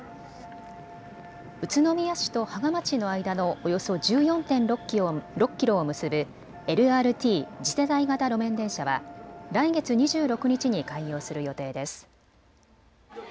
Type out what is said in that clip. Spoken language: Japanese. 宇都宮市と芳賀町の間のおよそ１４．６キロを結ぶＬＲＴ・次世代型路面電車は来月２６日に開業する予定です。